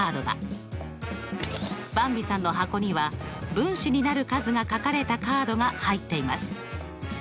ばんびさんの箱には分子になる数が書かれたカードが入っています。